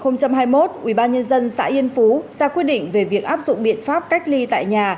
ngày hai mươi năm tháng tám năm hai nghìn hai mươi một ubnd xã yên phú ra quyết định về việc áp dụng biện pháp cách ly tại nhà